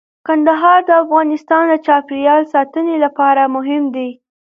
کندهار د افغانستان د چاپیریال ساتنې لپاره مهم دی.